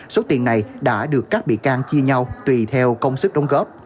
số tiền này đã được các bị can chia nhau tùy theo công sức đóng góp